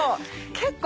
結構。